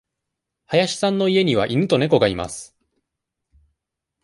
林さんの家には犬と猫がいます。